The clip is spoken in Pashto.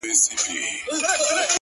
خو بس دا ستا تصوير به كور وران كړو،